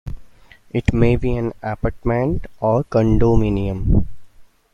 It may be an apartment or condominium.